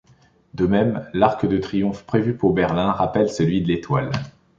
De même l'Arc de Triomphe prévu pour Berlin rappelle celui de l'Étoile.